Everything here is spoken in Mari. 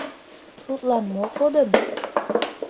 — Тудлан мо кодын?..